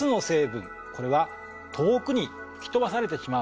これは遠くに吹き飛ばされてしまうんですね。